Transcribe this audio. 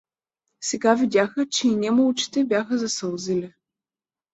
Сега видяха, че и нему очите бяха засълзили.